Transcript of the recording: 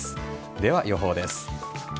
では予報です。